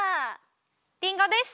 リンゴです！